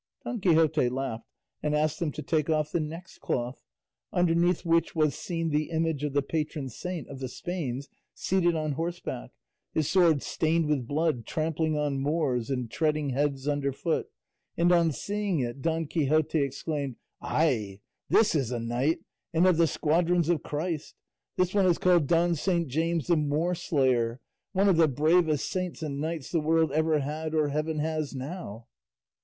'" Don Quixote laughed, and asked them to take off the next cloth, underneath which was seen the image of the patron saint of the Spains seated on horseback, his sword stained with blood, trampling on Moors and treading heads underfoot; and on seeing it Don Quixote exclaimed, "Ay, this is a knight, and of the squadrons of Christ! This one is called Don Saint James the Moorslayer, one of the bravest saints and knights the world ever had or heaven has now."